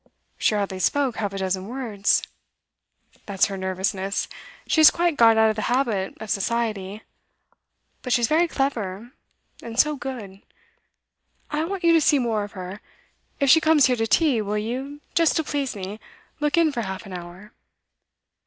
'She hardly spoke half a dozen words.' 'That's her nervousness. She has quite got out of the habit of society. But she's very clever, and so good. I want you to see more of her. If she comes here to tea, will you just to please me look in for half an hour?